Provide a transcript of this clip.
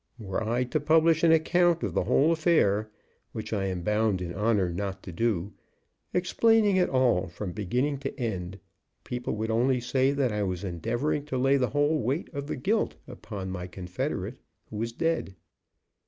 "Were I to publish an account of the whole affair, which I am bound in honor not to do, explaining it all from beginning to end, people would only say that I was endeavoring to lay the whole weight of the guilt upon my confederate who was dead.